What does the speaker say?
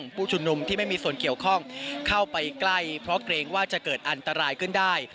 ผู้ชุมนุมที่ไม่มีส่วนเกี่ยวข้องเข้าไปใกล้เพราะเกรงว่าจะเกิดอันตรายขึ้นได้